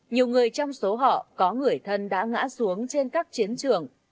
nhiều người trong số họ có người thân đã ngã xuống trên các chiến trường